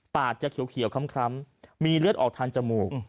ปากจะเขียวคล้ำมีเลือดออกทางจมูก